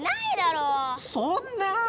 そんなぁ。